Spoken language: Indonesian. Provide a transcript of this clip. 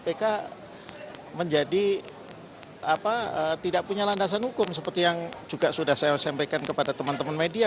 kpk menjadi tidak punya landasan hukum seperti yang juga sudah saya sampaikan kepada teman teman media